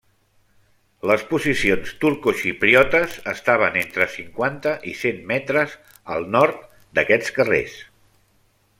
Les posicions turcoxipriotes estaven entre cinquanta i cent metres al nord d'aquests carrers.